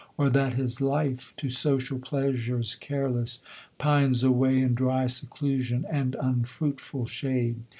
or that his life, To social pleasure careless, pines away In dry seclusion and unfruitful shade?